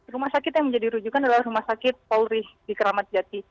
rumah sakit yang menjadi rujukan adalah rumah sakit polri di keramat jati